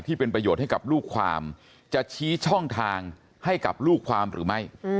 ที่เป็นประโยชน์ให้กับลูกความจะชี้ช่องทางให้กับลูกความหรือไม่